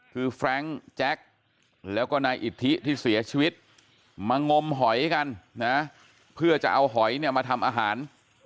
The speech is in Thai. คือแฟรงค์แจ็คแล้วก็นายอิทธิที่เสียชีวิตมางมหอยกันนะเพื่อจะเอาหอยเนี่ยมาทำอาหาร